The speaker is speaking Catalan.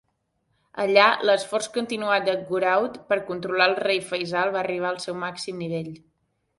Allà, l'esforç continuat de Gouraud per controlar el rei Faisal va arribar al seu màxim nivell.